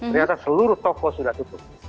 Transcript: ternyata seluruh toko sudah tutup